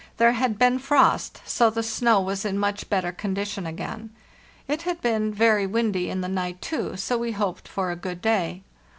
There had been frost, so the snow was in much better condition again. It had been very windy in the night, too, so we hoped for a good day.